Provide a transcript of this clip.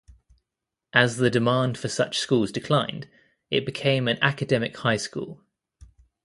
As the demand for such schools declined, it became an academic high school.